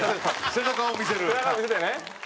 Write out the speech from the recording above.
背中を見せてね。